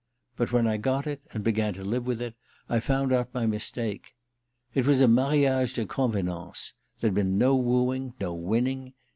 But when I got it, and began to live with it, I found out my mistake. It was a mariage de convenance there'd been no wooing, no winning.